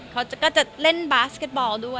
เขาก็จะเล่นบาสเก็ตบอลด้วย